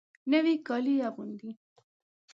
نوي کالي اغوندې